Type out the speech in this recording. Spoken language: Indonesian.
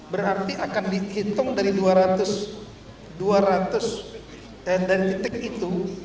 berarti akan dihitung dari dua ratus dua ratus eh dari titik itu